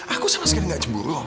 aku sama sekali gak cemburu